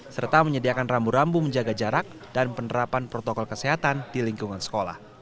serta menyediakan rambu rambu menjaga jarak dan penerapan protokol kesehatan di lingkungan sekolah